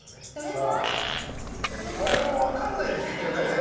我々も分かんないんですけどね。